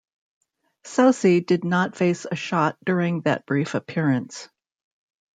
Soucy did not face a shot during that brief appearance.